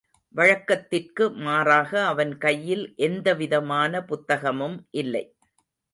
வழக்கத்திற்கு மாறாக அவன் கையில் எந்தவிதமான புத்தகமும் இல்லை.